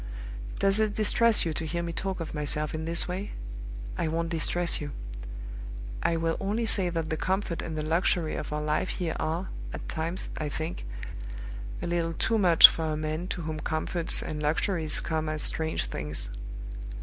Does it distress you to hear me talk of myself in this way? I won't distress you. I will only say that the comfort and the luxury of our life here are, at times, I think, a little too much for a man to whom comforts and luxuries come as strange things.